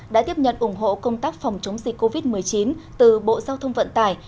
đã tiếp nhận ủng hộ công tác phòng chống dịch covid một mươi chín từ bộ giao thông vận tải